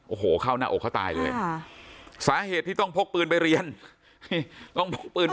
โอ้โหเข้าหน้าอกเขาตายเลยสาเหตุที่ต้องพกปืนไปเรียน